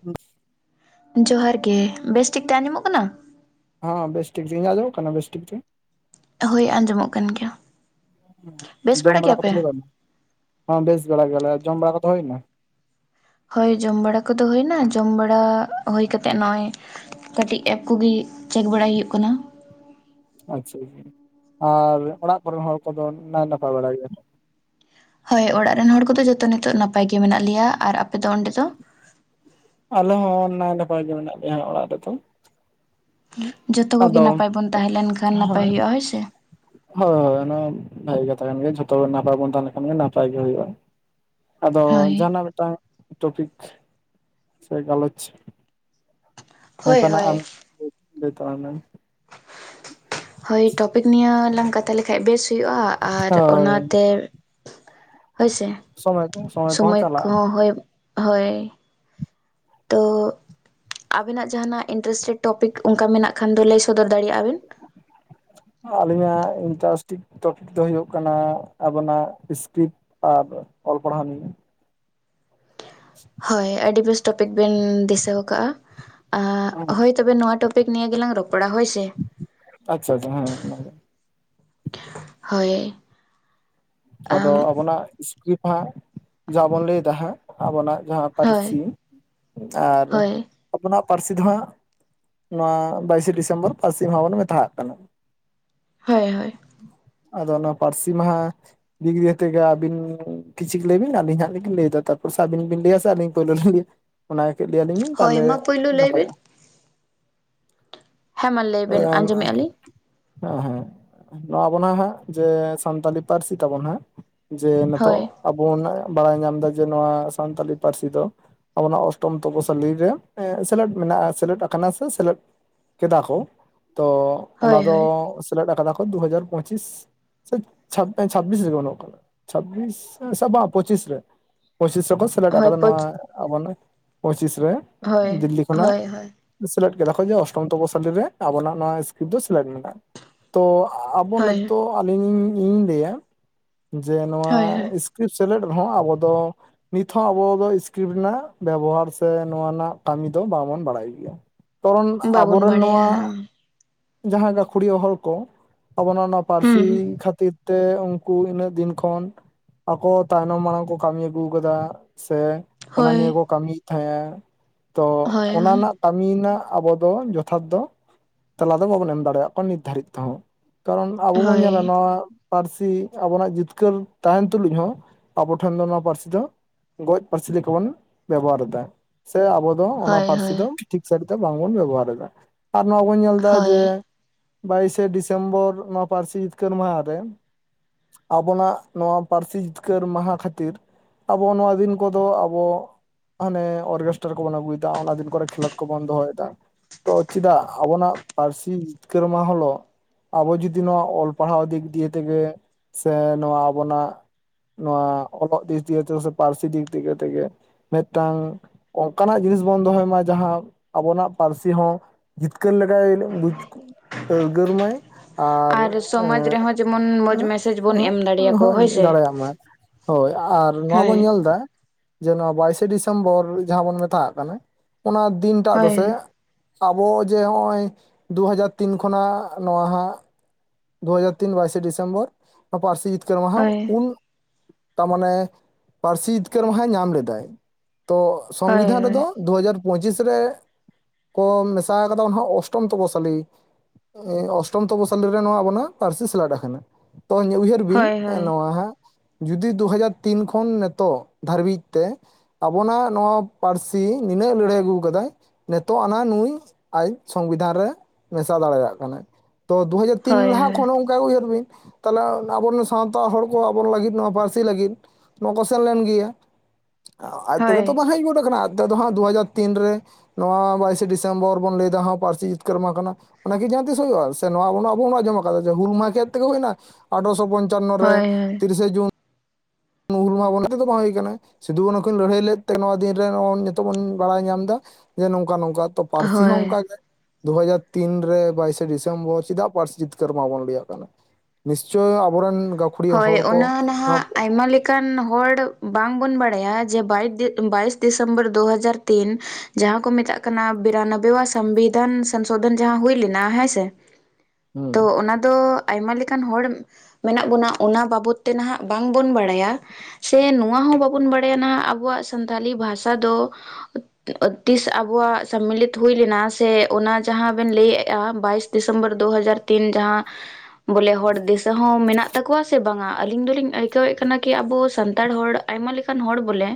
ᱦᱩᱸ ᱡᱚᱦᱟᱨᱜᱮ ᱵᱮᱥ ᱴᱷᱤᱠ ᱛᱮ ᱟᱸᱡᱚᱢᱚᱜ ᱠᱟᱱᱟ? ᱦᱮᱸ ᱵᱮᱥ ᱴᱷᱤᱠ ᱡᱤ ᱤᱧᱟᱜ ᱟᱡᱚᱢᱚᱜ ᱠᱟᱱᱟ ᱵᱮᱥ ᱴᱷᱤᱠ ᱡᱤ? ᱦᱳᱭ ᱟᱸᱡᱚᱢᱚᱜ ᱠᱟᱱ ᱜᱮᱭᱟ᱾ ᱵᱮᱥ ᱡᱚᱢ ᱵᱟᱲᱟ ᱠᱚᱛᱚ ᱜᱮᱭᱟᱯᱮ? ᱞᱟᱹᱵᱮᱱ ᱦᱚᱸ ᱵᱮᱥ ᱵᱮᱲᱟ ᱜᱮᱭᱟᱞᱮ ᱡᱚᱢ ᱵᱟᱲᱟ ᱠᱚᱫᱚ ᱦᱩᱭᱱᱟ? ᱦᱳᱭ ᱡᱚᱢ ᱵᱟᱲᱟ ᱠᱚᱫᱚ ᱦᱩᱭᱳᱱᱟ ᱡᱚᱢ ᱵᱟᱲᱟ ᱦᱩᱭ ᱠᱟᱛᱮᱫ ᱱᱚᱜᱼᱚᱭ ᱠᱟᱹᱴᱤᱡ ᱮᱯ ᱠᱚᱜᱮ ᱪᱮᱠ ᱵᱟᱲᱟᱭ ᱦᱩᱭᱩᱜ ᱠᱟᱱᱟ᱾ ᱟᱪᱪᱷᱟ ᱟᱨ ᱚᱲᱟᱜ ᱠᱚᱨᱮᱱ ᱦᱚᱲ ᱠᱚᱫᱚ ᱱᱟᱭ ᱱᱟᱯᱟᱭ ᱵᱟᱲᱟ ᱜᱮᱭᱟ ᱠᱚ? ᱦᱳᱭ ᱚᱲᱟᱜ ᱨᱮᱱ ᱦᱚᱲ ᱠᱚ ᱫᱚ ᱡᱚᱛᱚ ᱱᱤᱛᱚᱜ ᱱᱟᱯᱟᱭ ᱜᱮ ᱢᱮᱱᱟᱜ ᱞᱮᱭᱟ ᱟᱨ ᱟᱯᱮ ᱫᱚ ᱚᱸᱰᱮ ᱫᱚᱼᱼ ᱟᱞᱮ ᱦᱚᱸ ᱱᱟᱭ ᱱᱟᱯᱟᱭ ᱜᱮ ᱢᱮᱱᱟᱜ ᱞᱮᱭᱟ ᱚᱲᱟᱜ ᱨᱮ ᱫᱚᱼᱼ ᱡᱚᱛᱚ ᱠᱚ ᱜᱮ ᱱᱟᱯᱟᱭ ᱵᱚᱱ ᱛᱟᱦᱮᱸ ᱞᱮᱱ ᱠᱷᱟᱱ ᱱᱟᱯᱟᱭ ᱦᱩᱭᱩᱜᱼᱟ ᱦᱳᱭ ᱥᱮᱼᱼ ᱦᱳᱭ ᱦᱳᱭ ᱚᱱᱟ ᱵᱷᱟᱜᱤ ᱠᱟᱛᱷᱟ ᱠᱟᱱ ᱜᱮᱭᱟ ᱡᱷᱚᱛᱚ ᱵᱚ ᱱᱟᱯᱟᱭ ᱵᱚᱱ ᱛᱟᱦᱮᱸ ᱞᱮᱱ ᱠᱷᱟᱱ ᱜᱮ ᱱᱟᱯᱟᱭ ᱜᱮ ᱦᱩᱭᱩᱜᱼᱟ ᱟᱫᱚ ᱦᱳᱭ᱾ ᱡᱟᱦᱟᱱᱟᱜ ᱢᱤᱫᱴᱟᱝ ᱴᱚᱯᱤᱠ ᱥᱮ ᱜᱟᱞᱚᱪᱼᱼ ᱦᱳᱭ ᱚᱱᱠᱟᱱᱟ ᱦᱳᱭ ᱟᱢ ᱞᱟᱹᱭ ᱛᱟᱞᱟᱝ ᱢᱮ ᱦᱳᱭ ᱴᱚᱯᱤᱠ ᱱᱤᱭᱮ ᱞᱟᱝ ᱠᱟᱛᱷᱟ ᱞᱮᱠᱷᱟᱱ ᱵᱮᱥ ᱦᱩᱭᱩᱜᱼᱟ ᱟᱨ ᱚᱱᱟ ᱦᱳᱭ ᱛᱮᱼᱼ ᱦᱳᱭ ᱥᱮ ᱥᱚᱢᱚᱭ ᱠᱚ ᱥᱚᱢᱚᱭ ᱠᱚᱦᱚᱸ ᱥᱩᱢᱚᱭ ᱪᱟᱞᱟᱜᱼᱟ ᱠᱚ ᱦᱚᱸ ᱦᱳᱭ ᱦᱳᱭ ᱛᱚ ᱟᱵᱤᱱᱟᱜ ᱡᱟᱦᱱᱟᱜ ᱤᱱᱴᱟᱨᱮᱥᱴᱮᱰ ᱴᱚᱯᱤᱠ ᱚᱱᱠᱟ ᱢᱮᱱᱟᱜ ᱠᱷᱟᱱ ᱫᱚ ᱞᱟᱹᱭ ᱥᱚᱫᱚᱨ ᱫᱟᱲᱮᱭᱟᱜᱼᱟ ᱵᱤᱱ ᱟᱹᱞᱤᱧᱟᱜ ᱤᱱᱴᱟᱨᱨᱮᱥᱴᱤᱠ ᱴᱚᱯᱤᱠ ᱫᱚ ᱦᱩᱭᱩᱜ ᱠᱟᱱᱟ ᱟᱵᱚᱱᱟᱜ ᱤᱥᱯᱤᱪ ᱟᱨ ᱚᱞ ᱯᱟᱲᱦᱟᱣ ᱱᱤᱭᱮᱼᱼ [inaudible] ᱦᱳᱭ ᱟᱹᱰᱤ ᱵᱮᱥ ᱴᱚᱯᱤᱠ ᱵᱮᱱ ᱫᱤᱥᱟᱹ ᱟᱠᱟᱭᱟᱼᱟ ᱟᱸ ᱦᱮᱸ ᱦᱳᱭ ᱛᱚᱵᱮ ᱱᱚᱣᱟ ᱴᱚᱯᱤᱠ ᱱᱤᱭ ᱜᱮᱞᱟᱝ ᱨᱚᱯᱚᱲᱟ ᱦᱳᱭ ᱥᱮᱼᱼ [unintelligible] ᱦᱳᱭ ᱟᱫᱚ ᱟᱢ ᱟᱵᱚᱱᱟᱜ ᱤᱥᱠᱤᱯ ᱦᱟᱸᱜ ᱡᱟ ᱵᱚᱱ ᱞᱟᱹᱭ ᱮᱫᱟ ᱦᱟᱸᱜ ᱟᱵᱚᱱᱟᱜ ᱡᱟᱦᱟᱸᱼᱼ ᱦᱳᱭ ᱯᱟᱹᱨᱥᱤ ᱟᱨ ᱦᱳᱭ ᱟᱵᱚᱱᱟᱜ ᱯᱟᱹᱨᱥᱤ ᱫᱚ ᱦᱟᱸᱜᱼᱼ ᱱᱚᱣᱟ ᱵᱟᱭᱥᱤ [unintelligible] ᱫᱚ ᱯᱟᱹᱨᱥᱤ ᱢᱟᱦᱟ ᱵᱚᱱ ᱢᱮᱛᱟᱜ ᱠᱟᱱᱟ ᱦᱳᱭ ᱦᱳᱭ ᱟᱫᱚ ᱚᱱᱟ ᱯᱟᱹᱨᱥᱤ ᱢᱟᱦᱟᱼᱼ ᱫᱤᱜ ᱫᱤᱭᱮ ᱛᱮ ᱜᱮ ᱟᱹᱵᱤᱱ ᱠᱤᱪᱷᱩ ᱞᱟᱹᱭ ᱵᱤᱱ ᱟᱹᱞᱤᱧ ᱦᱚᱞᱤᱧ ᱞᱟᱹᱭᱟ ᱛᱟᱨᱯᱚᱨ ᱥᱮ ᱟᱹᱵᱤᱱ ᱵᱤᱱ ᱞᱟᱹᱭᱟ ᱥᱮ ᱟᱹᱞᱤᱧ ᱯᱳᱭᱞᱳ ᱞᱤᱧ ᱞᱟᱹᱭᱟ ᱚᱱᱟ ᱜᱮ ᱠᱟᱹᱡ ᱞᱟ. ᱭ ᱟᱞᱤᱧ ᱵᱤᱱ ᱦᱳᱭ ᱛᱟᱦᱚᱞᱮ ᱢᱟ ᱯᱳᱭᱞᱳ ᱞᱟᱹᱭ ᱵᱮᱱ ᱱᱟᱯᱟᱭᱚᱜᱼᱟ ᱦᱮᱸ ᱢᱟ ᱞᱟᱹᱭ [unintelligible] ᱵᱮᱱ ᱦᱮᱸ ᱟᱸᱡᱚᱢᱮᱫᱼᱟ ᱞᱤᱧ ᱦᱮᱸ ᱱᱚᱣᱟ ᱟᱵᱚᱱᱟ ᱦᱟᱸᱜ ᱡᱮ ᱥᱟᱱᱛᱟᱞᱤ ᱯᱟᱹᱨᱥᱤ ᱛᱟᱵᱚᱱ ᱦᱟᱸᱜᱼᱼ ᱡᱮ ᱱᱤᱛᱚᱜ ᱦᱳᱭ ᱟᱵᱚ ᱚᱱᱟ ᱵᱟᱲᱟᱭ ᱧᱟᱢ ᱮᱫᱟ ᱡᱮ ᱱᱚᱣᱟ ᱥᱟᱱᱛᱟᱞᱤ ᱯᱟᱹᱨᱥᱤ ᱫᱚᱼᱼ ᱟᱵᱚᱱᱟᱜ ᱚᱥᱴᱚᱢ ᱛᱚᱯᱚ ᱥᱟᱞᱤᱨᱮ ᱥᱮᱞᱮᱫ ᱢᱮᱱᱟᱭᱼᱟ ᱥᱮᱞᱮᱫ ᱟᱠᱟᱱᱟ ᱥᱮ ᱥᱮᱞᱮᱫᱼᱼ ᱠᱮᱫᱟ ᱠᱚ ᱛᱚ ᱦᱳᱭ ᱚᱱᱟ ᱫᱚ ᱦᱳᱭ ᱥᱮᱞᱮᱫ ᱟᱠᱟᱫᱟ ᱠᱚ ᱫᱩ ᱦᱟᱡᱟᱨ ᱯᱚᱸᱪᱤᱥ ᱥᱮᱼᱼ ᱪᱷᱟᱵᱵᱤᱥ ᱨᱮ [unintelligible] ᱠᱟᱱᱟ ᱪᱷᱟᱵᱤᱥ ᱥᱮ ᱵᱟᱝ ᱯᱚᱸᱪᱤᱥ ᱨᱮ ᱯᱚᱸᱪᱤᱥ ᱨᱮ ᱠᱚᱼᱼ ᱥᱮᱞᱮᱫ ᱦᱳᱭ ᱟᱠᱟᱫᱟ ᱯᱚᱪ ᱱᱚᱣᱟ ᱟᱵᱚᱱᱟ ᱯᱚᱸᱪᱤᱥ ᱨᱮ ᱦᱳᱭ ᱫᱤᱞᱞᱤ ᱠᱷᱚᱱᱟᱜ ᱦᱳᱭ ᱦᱳᱭ ᱥᱮᱞᱮᱫ ᱠᱮᱫᱟ ᱠᱚ ᱡᱮ ᱚᱥᱴᱚᱢ ᱛᱚᱯᱚ ᱥᱟᱞᱤᱨ ᱨᱮ ᱟᱵᱚᱱᱟᱜ ᱱᱚᱣᱟ ᱤᱥᱠᱤᱯᱚ ᱫᱚ ᱥᱮᱞᱮᱫ ᱢᱮᱱᱟᱭᱼᱟ ᱛᱚ ᱟᱵᱚ ᱦᱳᱭ ᱱᱤᱛᱚᱜ ᱟᱞᱤᱧ ᱤᱧ ᱞᱟᱹᱭᱟ ᱡᱮ ᱱᱚᱣᱟ ᱦᱳᱭ ᱦᱳᱭ ᱥᱼᱼ [unintelligible] ᱥᱮᱞᱮᱫ ᱨᱮᱦᱚᱸ ᱟᱵᱚ ᱫᱚᱼᱼ ᱱᱤᱛ ᱦᱚᱸ ᱟᱵᱚ ᱫᱚ ᱤᱥᱠᱤᱨᱤᱯ ᱨᱮᱱᱟᱜ ᱵᱮᱵᱚᱦᱟᱨ ᱥᱮ ᱱᱚᱣᱟ ᱨᱮᱱᱟᱜ ᱠᱟᱹᱢᱤ ᱫᱚ ᱵᱟᱵᱚᱱ ᱵᱟᱲᱟᱭ ᱜᱮᱭᱟ [unintelligible] ᱟᱵᱚ ᱵᱟᱵᱚᱱ ᱨᱮᱱ ᱵᱟᱲᱟᱭᱟ ᱱᱚᱣᱟᱼᱼ ᱦᱳᱭ ᱡᱟᱦᱟᱸ ᱜᱟᱠᱷᱩᱲᱤᱭᱟᱹ ᱦᱚᱲ ᱠᱚ ᱟᱵᱚᱱᱟᱜ ᱱᱚᱣᱟ ᱯᱟᱹᱨᱥᱤ ᱠᱷᱟᱹᱛᱤᱨ ᱛᱮᱼᱼ ᱩᱱᱠᱩ ᱤᱱᱟᱹᱜ ᱫᱤᱱ ᱠᱷᱚᱱ ᱟᱠᱚ ᱛᱟᱭᱱᱚᱢ ᱢᱟᱲᱟᱝ ᱠᱚ ᱠᱟᱹᱢᱤ ᱟᱹᱜᱩ ᱟᱠᱟᱫᱟ ᱥᱮᱼᱼ ᱚᱱᱟ ᱦᱳᱭ ᱱᱤᱭᱮ ᱠᱚ ᱠᱟᱹᱢᱤᱭ ᱮᱫ ᱛᱟᱦᱮᱸ ᱛᱚ ᱦᱳᱭ ᱚᱱᱟ ᱦᱳᱭ ᱨᱮᱱᱟᱜ ᱠᱟᱹᱢᱤ ᱨᱮᱱᱟᱜ ᱟᱵᱚ ᱫᱚ ᱡᱚᱛᱷᱟᱛ ᱫᱚ ᱛᱮᱞᱟ ᱫᱚ ᱵᱟᱵᱚᱱ ᱮᱢ ᱫᱟᱲᱮᱭᱟᱜ ᱠᱚᱣᱟ ᱱᱤᱛ ᱫᱷᱟᱹᱨᱤᱡ ᱛᱮ ᱦᱚᱸ ᱠᱟᱨᱚᱱ ᱟᱵᱚ ᱵᱚᱱ ᱦᱳᱭ ᱧᱮᱞᱟ ᱱᱚᱣᱟ ᱯᱟᱹᱨᱥᱤᱼᱼ ᱯᱟᱹᱨᱥᱤ ᱟᱵᱚᱱᱟᱜ ᱡᱤᱛᱠᱟᱹᱨ ᱛᱟᱦᱮᱱ ᱛᱩᱞᱩᱡ ᱦᱚᱸ ᱟᱵᱚ ᱴᱷᱮᱱ ᱫᱚ ᱱᱚᱣᱟ ᱯᱟᱹᱨᱥᱤ ᱫᱚᱼᱼ ᱜᱚᱡ ᱯᱟᱹᱨᱥᱤ ᱞᱮᱠᱟ ᱵᱚᱱ ᱵᱮᱵᱚᱦᱟᱨ ᱮᱫᱟ ᱥᱮ ᱟᱵᱚᱼᱼ ᱛᱚ ᱚᱱᱟ ᱦᱳᱭ ᱯᱟᱹᱨᱥᱤ ᱦᱳᱭ ᱫᱚ ᱴᱷᱤᱠ ᱥᱟᱦᱤᱡ ᱛᱮ ᱵᱟᱝ ᱵᱚᱱ ᱵᱮᱵᱚᱦᱟᱨ ᱮᱫᱟ ᱟᱨ ᱱᱚᱣᱟ ᱵᱚᱱ ᱧᱮᱞ ᱮᱫᱟ ᱦᱳᱭ ᱡᱮ, ᱵᱟᱭᱤᱥᱮ ᱰᱤᱥᱮᱢᱵᱚᱨ ᱱᱚᱣᱟ ᱯᱟᱹᱨᱥᱤ ᱡᱤᱛᱠᱟᱹᱨ ᱢᱟᱦᱟ ᱨᱮᱼᱼ ᱟᱵᱚᱱᱟᱜ ᱱᱚᱣᱟ ᱯᱟᱹᱨᱥᱤ ᱡᱤᱛᱠᱟᱹᱨ ᱢᱟᱦᱟ ᱠᱷᱟᱹᱛᱤᱨᱼᱼ ᱟᱵᱚ ᱱᱚᱣᱟ ᱫᱤᱱ ᱠᱚᱫᱚ ᱟᱵᱚ ᱦᱟᱸᱱᱮ ᱚᱨᱠᱮᱥᱴᱨᱟ ᱠᱚ ᱵᱚᱱ ᱟᱹᱜᱩᱭᱮᱫᱟ ᱚᱱᱟᱫᱤᱱ ᱠᱚᱨᱮ ᱠᱷᱮᱞᱞᱚᱰ ᱠᱚᱵᱚᱱ ᱫᱚᱦᱚᱭ ᱫᱟ, ᱛᱚ ᱪᱤᱫᱟᱜ ᱟᱵᱚᱱᱟᱜ ᱯᱟᱹᱨᱥᱤ ᱡᱤᱛᱠᱟᱹᱨ ᱢᱟᱦᱟ ᱦᱤᱞᱳᱜ ᱟᱵᱚ ᱡᱩᱫᱤ ᱱᱚᱣᱟ ᱚᱞ ᱯᱟᱲᱦᱟᱣ ᱫᱤᱠ ᱫᱤᱭᱮ ᱛᱮᱜᱮ ᱥᱮ ᱱᱚᱣᱟ ᱟᱵᱚᱱᱟᱜ ᱱᱚᱣᱟ ᱚᱞᱚᱜ ᱫᱤᱠ ᱫᱤᱭᱮ ᱛᱮᱜᱮ ᱥᱮ ᱯᱟᱹᱨᱥᱤ ᱫᱤᱠ ᱫᱤᱭᱮ ᱛᱷᱮᱜᱮ ᱢᱤᱫᱴᱟᱝ ᱚᱝᱠᱟᱱᱟᱜ ᱡᱤᱱᱤᱥ ᱵᱚᱱ ᱫᱚᱦᱚᱭ ᱢᱟ ᱡᱟᱦᱟᱸ ᱟᱵᱚᱱᱟᱜ ᱯᱟᱹᱨᱥᱤ ᱦᱚᱸ ᱡᱤᱛᱠᱟᱹᱨ ᱞᱮᱠᱟᱭ ᱵᱩᱡ ᱟᱹᱨ ᱜᱟᱹᱨ ᱢᱟᱹᱭ ᱟᱨ ᱥᱚᱢᱟᱡᱽ ᱮᱸᱜ ᱨᱮᱦᱚᱸ ᱡᱮᱢᱚᱱ ᱢᱚᱡᱽ ᱢᱮᱥᱮᱡᱽ ᱵᱚᱱ ᱮᱢ [unintelligible] ᱫᱟᱲᱮᱭᱟᱠᱚ ᱦᱳᱭ ᱥᱮ ᱫᱟᱲᱮᱭᱟᱜ ᱢᱟᱭ᱾ ᱦᱳᱭ ᱟᱨ ᱱᱚᱣᱟ ᱵᱚᱱ ᱦᱳᱭ ᱧᱮᱞ ᱫᱟ ᱡᱮ ᱱᱚᱣᱟ ᱵᱟᱭᱤᱥᱮ ᱰᱤᱥᱮᱢᱵᱚᱨ ᱡᱟᱦᱟᱸ ᱵᱚᱱ ᱢᱮᱛᱟᱜ ᱠᱟᱱᱟ ᱚᱱᱟ ᱫᱤᱱᱴᱟᱜ ᱫᱚᱥᱮ ᱦᱳᱭ ᱟᱵᱚ ᱡᱮ ᱦᱚᱸᱜᱼᱚᱭ ᱫᱩ ᱦᱟᱡᱟᱨ ᱛᱤᱱ ᱠᱷᱚᱱᱟᱜ ᱱᱚᱣᱟ ᱦᱟᱸᱜ ᱫᱩ ᱦᱟᱡᱟᱨ ᱛᱤᱱ ᱵᱟᱭᱤᱥᱮ ᱰᱤᱥᱢᱵᱚᱨ ᱯᱟᱨᱥᱤ ᱡᱤᱛᱠᱟᱹᱨ ᱢᱟᱦᱟ ᱦᱳᱭ ᱩᱱ ᱛᱟᱢᱟᱱᱮ ᱯᱟᱹᱨᱥᱤ ᱡᱤᱛᱠᱟᱹᱨ ᱢᱟᱦᱟᱭ ᱧᱟᱢ ᱞᱮᱫᱟᱭ, ᱛᱚ ᱦᱳᱭ ᱥᱚᱝᱵᱤᱫᱷᱟᱱ ᱨᱮᱫᱚ ᱫᱩᱦᱡᱟᱨ ᱯᱚᱸᱪᱤᱥ ᱨᱮ ᱠᱚ ᱢᱮᱥᱟ ᱠᱟᱫᱟ ᱦᱟᱸᱜ ᱚᱥᱴᱚᱢ ᱛᱚᱯᱚ ᱥᱟᱞᱤ ᱚᱥᱴᱚᱢ ᱛᱚᱯᱚ ᱥᱟᱞᱤ ᱱᱚᱣᱟ ᱟᱵᱚᱱᱟᱜ ᱯᱟᱹᱨᱥᱤ ᱥᱮᱞᱮᱫ ᱠᱟᱱᱟ ᱛᱚ ᱩᱭᱦᱟᱹᱨ ᱵᱤᱱ ᱦᱳᱭ ᱦᱳᱭ ᱦᱳᱭ ᱱᱚᱣᱟ ᱦᱟᱸᱜ ᱡᱩᱫᱤ ᱫᱩ ᱦᱟᱡᱟᱨ ᱛᱤᱱ ᱠᱷᱚᱱ ᱱᱤᱛᱚᱜ ᱫᱷᱟᱹᱨᱵᱤᱡ ᱛᱮ ᱟᱵᱚᱱᱟᱜ ᱱᱚᱣᱟ ᱯᱟᱹᱨᱥᱤ ᱱᱤᱱᱟᱹᱜ ᱞᱟᱹᱲᱦᱟᱹᱭ ᱟᱹᱜᱩ ᱠᱟᱫᱟᱭ ᱱᱤᱛᱚᱜ ᱟᱱᱟ ᱱᱩᱭ ᱟᱭᱤᱡ ᱥᱚᱝᱵᱤᱫᱷᱟᱱ ᱨᱮ ᱢᱮᱥᱟ ᱫᱟᱲᱮᱭᱟᱜ ᱠᱟᱱᱟᱭ ᱛᱚ ᱫᱩ ᱦᱟᱡᱟᱨ ᱛᱤᱱ ᱦᱳᱭ ᱦᱳᱭ ᱞᱟᱦᱟ ᱠᱷᱚᱱ ᱦᱚᱸ ᱚᱝᱠᱟ ᱩᱭᱦᱟᱹᱨ ᱵᱤᱱ ᱛᱟᱦᱚᱞᱮ ᱟᱵᱚᱨᱮᱱ ᱥᱟᱶᱛᱟ ᱦᱚᱲ ᱠᱚ ᱟᱵᱚ ᱞᱟᱹᱜᱤᱫ ᱱᱚᱣᱟ ᱯᱟᱹᱨᱥᱤ ᱞᱟᱹᱜᱤᱫ ᱱᱚᱣᱟ ᱠᱚ ᱥᱮᱱ ᱞᱮᱱ ᱜᱮᱭᱟ, ᱟᱡ ᱛᱮᱜᱮ ᱛᱚ ᱦᱳᱭ ᱵᱟᱝ ᱦᱮᱡ ᱜᱚᱫ ᱠᱟᱱᱟ ᱟᱡ ᱱᱤᱛᱚᱜ ᱫᱚ ᱦᱟᱸᱜ ᱫᱩ ᱦᱟᱡᱟᱨ ᱛᱤᱱ ᱨᱮ ᱱᱚᱣᱟ ᱵᱟᱭᱤᱥᱮ ᱰᱤᱥᱮᱢᱵᱚᱨ ᱵᱚᱱ ᱞᱟᱹᱭᱫᱟ ᱦᱟᱸ ᱯᱟᱹᱨᱥᱤ ᱡᱤᱛᱠᱟᱹᱨ ᱢᱟᱦᱟ ᱠᱟᱱᱟ ᱚᱱᱟᱜᱮ ᱡᱟᱦᱟᱸ ᱛᱤᱥ ᱦᱩᱭᱩᱜᱼᱟ ᱥᱮ ᱱᱚᱣᱟ ᱟᱵᱚᱱᱟᱜ ᱟᱵᱚ ᱵᱚ ᱟᱸᱡᱚᱢ ᱠᱟᱫᱟ ᱡᱮ ᱦᱩᱞ ᱢᱟᱦᱟ ᱪᱮᱛ ᱛᱮᱜᱮ ᱦᱩᱭᱱᱟ ᱟᱴᱷᱚᱥᱚ ᱯᱚᱧᱪᱟᱱᱱᱚ ᱨᱮ ᱦᱳᱭ ᱛᱤᱨᱤᱥᱮ ᱡᱩᱱ ᱦᱩᱞ ᱢᱟᱵᱚᱱ ᱮᱢᱱᱤ ᱛᱮᱫᱚ ᱵᱟᱝ ᱦᱩᱭ ᱠᱟᱱᱟ ᱥᱤᱫᱩᱠᱟᱹᱱᱦᱩ ᱠᱩᱧ ᱞᱟᱹᱲᱦᱟᱹᱭ ᱞᱮᱫ ᱛᱮ ᱱᱚᱣᱟ ᱫᱤᱱ ᱨᱮ ᱱᱤᱛᱚᱜ ᱵᱚᱱ ᱵᱟᱲᱟᱭ ᱧᱟᱢ ᱫᱟ ᱡᱮ ᱱᱚᱝᱠᱟ ᱱᱚᱝᱠᱟ ᱛᱚ ᱯᱟᱹᱨᱥᱤ ᱦᱚᱸ ᱦᱳᱭ ᱚᱝᱠᱟ ᱜᱮ ᱫᱩ ᱦᱟᱡᱟᱨ ᱛᱤᱱ ᱨᱮ ᱵᱟᱭᱤᱥᱮ ᱰᱤᱥᱮᱢᱵᱚᱨ ᱪᱮᱫᱟᱜ ᱯᱟᱹᱨᱥᱤ ᱡᱤᱛᱠᱟᱹᱨ ᱢᱟᱵᱚᱱ ᱞᱟᱹᱭᱟᱜ ᱠᱟᱱᱟ? ᱱᱤᱥᱪᱳᱭ ᱟᱵᱚᱨᱮᱱ ᱜᱟ ᱦᱳᱭ ᱚᱱᱟ ᱱᱟᱦᱟᱸᱜ ᱟᱭᱢᱟ ᱞᱮ ᱠᱟᱱ ᱦᱚᱲ ᱵᱟᱝᱵᱚᱱ ᱵᱟᱲᱟᱭᱟ ᱡᱮ ᱵᱟᱭᱤᱴ ᱵᱟᱭᱤᱥ ᱰᱤᱥᱮᱢᱵᱚᱨ ᱫᱩ ᱦᱟᱡᱟᱨ ᱛᱤᱱ ᱡᱟᱦᱟᱸ ᱠᱚ ᱢᱮᱛᱟᱜ ᱠᱟᱱᱟ ᱵᱤᱨᱟᱱᱚᱵᱵᱚᱣᱟᱜ ᱥᱚᱝᱵᱤᱫᱷᱟᱱ ᱥᱚᱝᱥᱳᱫᱷᱚᱱ ᱡᱟᱦᱟᱸ ᱦᱩᱭ ᱞᱮᱱᱟ ᱦᱮᱸᱥᱮ? ᱦᱩᱲᱩ ᱨᱚᱦᱚᱭ ᱥᱮᱱᱚᱜ ᱟᱭᱩᱜ ᱠᱟᱱᱟ. ᱛᱚ ᱚᱱᱟ ᱫᱚ ᱟᱭᱢᱟ ᱞᱮᱠᱟᱱ ᱦᱚᱲ ᱢᱮᱱᱟᱜ ᱵᱚᱱᱟ ᱚᱱᱟ ᱵᱟᱵᱚᱫ ᱛᱮ ᱱᱟᱦᱟᱸᱜ ᱵᱟᱝᱵᱚᱱ ᱵᱟᱲᱟᱭᱟ᱾ ᱥᱮ ᱱᱚᱶᱟ ᱦᱚᱸ ᱵᱟᱵᱚᱱ ᱵᱟᱲᱟᱭᱟ ᱱᱚᱣᱟ ᱟᱵᱚᱣᱟᱜ ᱥᱟᱱᱛᱟᱞᱤ ᱵᱷᱟᱥᱟ ᱫᱚ ᱛᱤᱥ ᱟᱵᱚᱣᱟᱜ ᱥᱚᱢᱢᱤᱞᱤᱛ ᱦᱩᱭ ᱞᱮᱱᱟ ᱥᱮ ᱚᱱᱟ ᱡᱟᱦᱟᱸ ᱵᱮᱱ ᱞᱟᱹᱭᱮᱜᱼᱟ ᱵᱟᱭᱤᱥ ᱰᱤᱥᱮᱢᱵᱚᱨ ᱫᱩᱦᱟᱡᱟᱨ ᱛᱤᱱ ᱡᱟᱦᱟᱸ ᱛᱤᱱ ᱜᱚᱴᱮᱝ ᱠᱷᱮᱛ ᱛᱟᱢ ᱵᱚᱞᱮ ᱦᱚᱲ ᱫᱤᱥᱟᱹ ᱦᱚᱸ ᱢᱮᱱᱟᱜ ᱛᱟᱠᱚᱣᱟ ᱥᱮ ᱵᱟᱝᱟ ᱟᱹᱞᱤᱧ ᱫᱚᱞᱤᱧ ᱟᱹᱭᱠᱟᱹᱣᱮᱜ ᱠᱟᱱᱟ ᱠᱤ ᱟᱵᱚ ᱥᱟᱱᱛᱟᱲ ᱦᱚᱲ ᱟᱭᱢᱟ ᱞᱮᱠᱟᱱ ᱦᱚᱲ ᱵᱚᱞᱮ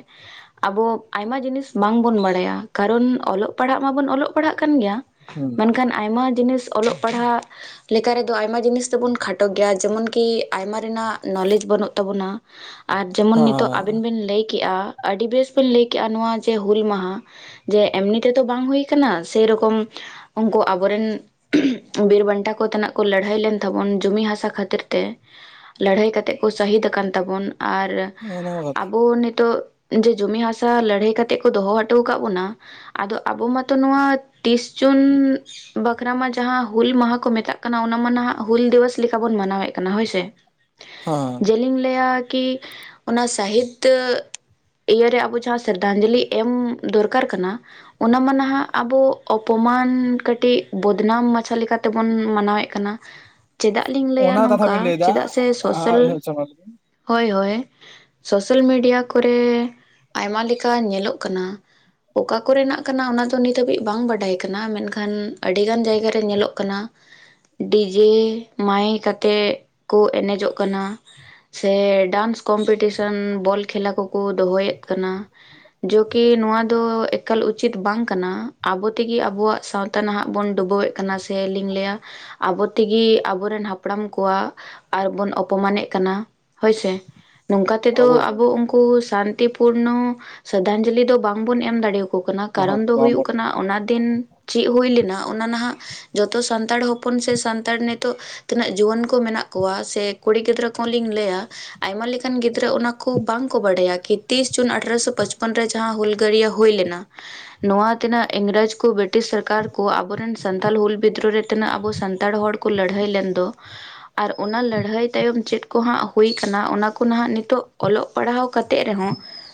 ᱟᱵᱚ ᱟᱭᱢᱟ ᱡᱤᱱᱤᱥ ᱵᱟᱝᱵᱚᱱ ᱰᱟᱲᱟᱭᱟ ᱠᱟᱨᱚᱱ ᱚᱞᱚᱜ ᱯᱟᱲᱦᱟᱜ ᱢᱟᱵᱚᱱ ᱚᱞᱚᱜ ᱯᱟᱲᱦᱟᱜ ᱠᱟᱱ ᱜᱮᱭᱟ ᱦᱩᱸ᱾ ᱠᱷᱟᱱ ᱟᱭᱢᱟ ᱡᱤᱱᱤᱥ ᱚᱞᱚᱜ ᱯᱟᱲᱦᱟᱣ ᱞᱮᱠᱟ ᱨᱮᱫᱚ ᱟᱭᱢᱟ ᱡᱤᱱᱤᱥ ᱫᱚᱵᱚᱱ ᱠᱷᱟᱴᱚ ᱜᱮᱭᱟ ᱡᱮᱢᱚᱱ ᱠᱤ ᱟᱭᱢᱟ ᱨᱮᱱᱟᱜ ᱱᱚᱞᱮᱡ ᱵᱟᱹᱱᱩᱜ ᱛᱟᱵᱚᱱᱟ ᱟᱨ ᱡᱮᱢᱚᱱ ᱦᱮᱸ ᱱᱤᱛᱚᱜ ᱟᱵᱤᱱ ᱵᱤᱱ ᱞᱟᱹᱭ ᱠᱮᱜᱼᱟ ᱟᱹᱰᱤ ᱵᱮᱥ ᱵᱤᱱ ᱞᱟᱹᱭ ᱠᱮᱜᱼᱟ ᱱᱚᱣᱟ ᱡᱮ ᱦᱩᱞ ᱢᱟᱦᱟ ᱡᱮ ᱮᱢᱱᱤ ᱛᱮᱫᱚ ᱵᱟᱝ ᱦᱩᱭ ᱟᱠᱟᱱᱟ ᱥᱮᱨᱚᱠᱚᱢ ᱩᱱᱠᱩ ᱟᱵᱚᱨᱮᱱ, ᱵᱤᱨ ᱵᱟᱱᱴᱟ ᱠᱚᱛᱮᱱᱟᱜ ᱠᱚ ᱞᱟᱹᱲᱦᱟᱹᱭ ᱞᱮᱱ ᱛᱟᱵᱚᱱ ᱡᱩᱢᱤ ᱦᱟᱥᱟ ᱠᱷᱟᱹᱛᱤᱨ ᱛᱮ ᱾ ᱞᱟᱹᱲᱦᱟᱹᱭ ᱠᱟᱛᱮᱜ ᱠᱚ ᱥᱟᱹᱦᱤᱫ ᱟᱠᱟᱱ ᱛᱟᱵᱚᱱ ᱟᱨ ᱦᱮᱸ ᱚᱱᱟ ᱟᱵᱚ ᱱᱤᱛᱚᱜ, ᱡᱮ ᱡᱩᱢᱤ ᱦᱟᱥᱟ ᱞᱟᱹᱲᱦᱟᱹᱭ ᱠᱟᱛᱮᱜ ᱠᱚ ᱫᱚᱦᱚ ᱦᱚᱴᱚ ᱟᱠᱟᱫ ᱵᱚᱱᱟ, ᱟᱫᱚ ᱟᱵᱚ ᱢᱟᱛᱚ ᱱᱚᱣᱟ ᱛᱤᱥ ᱡᱩᱱ, ᱵᱟᱠᱷᱨᱟ ᱢᱟ ᱡᱟᱦᱟᱸ ᱦᱩᱞ ᱢᱟᱦᱟ ᱠᱚ ᱢᱮᱛᱟᱜ ᱠᱟᱱᱟ ᱚᱱᱟ ᱢᱟ ᱱᱷᱟᱜ ᱦᱩᱞ ᱫᱤᱵᱚᱥ ᱞᱮᱠᱟ ᱵᱚᱱ ᱢᱟᱱᱟᱣᱮᱫ ᱠᱟᱱᱟ ᱦᱳᱭᱥᱮ, ᱦᱮᱸ ᱡᱮᱞᱤᱧ ᱞᱟᱹᱭᱟ ᱠᱤ ᱚᱱᱟ ᱥᱟᱹᱦᱤᱫᱽ ᱤᱭᱟᱹᱨᱮ ᱟᱵᱚ ᱡᱟᱦᱟᱸ ᱥᱨᱽᱫᱧᱡᱚᱞᱤ ᱮᱢ ᱫᱚᱨᱠᱟᱨ ᱠᱟᱱᱟ, ᱚᱱᱟ ᱢᱟ ᱱᱷᱟᱜ ᱟᱵᱚ ᱚᱯᱚᱢᱟᱱ ᱠᱟᱹᱴᱤᱡ ᱵᱚᱫᱱᱟᱢ ᱢᱟᱪᱷᱟ ᱞᱮᱠᱟ ᱛᱮᱵᱚᱱ ᱢᱟᱱᱟᱣᱮᱫ ᱠᱟᱱᱟ ᱾ [inaudible] ᱪᱮᱫᱟᱜ ᱞᱤᱧ ᱞᱟᱹᱭᱟ ᱚᱱᱟ ᱠᱟᱛᱷᱟ ᱱᱚᱝᱠᱟ ᱵᱤᱱ ᱞᱟᱹᱭ ᱮᱫᱟ ᱪᱮᱫᱟᱜ ᱥᱮ ᱥᱳᱥᱟᱞ ᱟᱪᱪᱷᱟ ᱢᱟ ᱞᱟᱹᱭ ᱵᱤᱱ ᱦᱳᱭ ᱦᱳᱭ, ᱥᱳᱥᱟᱞ ᱢᱤᱰᱤᱭᱟ ᱠᱚᱨᱮ ᱟᱭᱢᱟ ᱞᱮᱠᱟ ᱧᱮᱞᱚᱜ ᱠᱟᱱᱟ ᱾ ᱚᱠᱟ ᱠᱚᱨᱮᱱᱟᱜ ᱠᱟᱱᱟ ᱚᱱᱟ ᱫᱚ ᱱᱤᱛ ᱦᱟᱹᱵᱤᱡ ᱵᱟᱝ ᱵᱟᱰᱟᱭ ᱠᱟᱱᱟ ᱢᱮᱱᱠᱷᱟᱱ ᱟᱹᱰᱤ ᱜᱟᱱ ᱡᱟᱭᱜᱟ ᱨᱮ ᱧᱮᱞᱚᱜ ᱠᱟᱱᱟ ᱾ [inaudible] ᱰᱤᱡᱮ ᱢᱟᱭᱮᱠ ᱟᱛᱮᱫ ᱠᱚ ᱮᱱᱮᱡᱚᱜ ᱠᱟᱱᱟ ᱾ ᱥᱮ ᱰᱟᱱᱥ ᱠᱚᱢᱯᱤᱴᱤᱥᱮᱱ ᱵᱚᱞ ᱠᱷᱮᱞᱟ ᱠᱚ ᱠᱚ ᱫᱚᱦᱚᱭᱮᱫ ᱠᱟᱱᱟ ᱾ ᱡᱳᱠᱤ ᱱᱚᱣᱟ ᱫᱚ ᱮᱠᱟᱞ ᱩᱪᱤᱛ ᱵᱟᱝ ᱠᱟᱱᱟ ᱟᱵᱚ ᱛᱮ ᱜᱮ ᱟᱵᱚᱣᱟᱜ ᱥᱟᱶ ᱛᱟ ᱱᱷᱟᱜ ᱵᱚᱱ ᱰᱩᱵᱟᱹᱣᱮᱫ ᱠᱟᱱᱟ ᱥᱮ ᱞᱤᱧ ᱞᱟᱹᱭᱟ ᱟᱵᱚ ᱛᱮ ᱜᱮ ᱟᱵᱚᱨᱮᱱ ᱦᱟᱯᱲᱟᱢ ᱠᱚᱣᱟᱜ, ᱟᱨ ᱵᱚᱱ ᱚᱯᱚᱢᱟᱱᱮᱫ ᱠᱟᱱᱟ ᱦᱳᱭᱥᱮ ᱱᱚᱝᱠᱟ ᱛᱮ ᱫᱚ ᱚᱵᱚᱥᱥᱳᱭ ᱟᱵᱚ ᱩᱱᱠᱩ ᱥᱟᱱ ᱛᱤ ᱯᱩᱨᱱᱚ ᱥᱨᱟᱫᱷᱟᱧᱡᱚᱞᱤ ᱫᱚ ᱵᱟᱝ ᱵᱚᱱ ᱮᱢ ᱫᱟᱲᱮᱭᱟᱠᱚ, ᱠᱚ ᱠᱟᱱᱟ ᱠᱟᱨᱚᱱ ᱫᱚ ᱦᱩᱭᱩᱜ ᱠᱟᱱᱟ ᱚᱱᱟ ᱫᱤᱱ ᱪᱮᱫ ᱦᱩᱭ ᱞᱮᱱᱟ ᱚᱱᱟ ᱱᱷᱟᱜ ᱡᱚᱛᱚ ᱥᱟᱱᱛᱟᱲ ᱦᱚᱯᱚᱱ ᱥᱮ ᱥᱟᱱᱛᱟᱲ ᱱᱤᱛᱚᱜ ᱛᱤᱱᱟᱹᱜ ᱡᱩᱣᱟᱹᱱ ᱠᱚ ᱢᱮᱱᱟᱜ, ᱠᱚᱣᱟ ᱥᱮ ᱠᱩᱲᱤ ᱜᱤᱫᱽᱨᱟᱹ ᱠᱚ ᱦᱚᱸ ᱞᱤᱧ ᱞᱟᱹᱭᱟ, ᱟᱭᱢᱟ ᱞᱮᱠᱟᱱ ᱜᱤᱫᱽᱨᱟᱹ ᱚᱱᱟ ᱠᱚ ᱵᱟᱝᱠᱚ ᱵᱟᱰᱟᱭᱟ ᱠᱤ ᱛᱤᱥ ᱡᱩᱱ ᱟᱴᱷᱨᱚᱥᱚ ᱯᱚᱪᱯᱚᱱ ᱨᱮ ᱡᱟᱦᱟᱸ ᱦᱩᱞᱜᱟᱹᱨᱤᱭᱟᱹ ᱦᱩᱭ ᱞᱮᱱᱟ ᱾ [inaudible] ᱱᱚᱣᱟ ᱛᱤᱱᱟᱹᱜ ᱤᱝᱨᱮᱡᱽ ᱠᱚ ᱵᱨᱤᱴᱤᱥ ᱥᱚᱨᱠᱟᱨ ᱠᱚ ᱟᱵᱚᱨᱮᱱ ᱥᱟᱱᱛᱟᱲ ᱦᱩᱞ ᱵᱤᱫᱨᱳ ᱨᱮ ᱛᱤᱱᱟᱹᱜ ᱟᱵᱚ ᱥᱟᱱᱛᱟᱲ ᱦᱚᱲ, ᱠᱚ ᱞᱟᱹᱲᱦᱟᱹᱭ ᱞᱮᱱ ᱫᱚ ᱟᱨ ᱚᱱᱟ ᱞᱟᱹᱲᱦᱟᱹᱭ ᱛᱟᱭᱚᱢ ᱪᱮᱫ, ᱠᱚ ᱦᱟᱸᱜ ᱦᱩᱭ ᱟᱠᱟᱱᱟ ᱚᱱᱟ ᱠᱚ ᱱᱷᱟᱜ ᱱᱤᱛᱚᱜ ᱚᱞᱚᱜ ᱯᱟᱲᱦᱟᱣ ᱠᱟᱛᱮᱜ ᱨᱮ ᱦᱚᱸ,